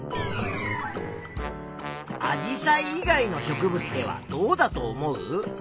アジサイ以外の植物ではどうだと思う？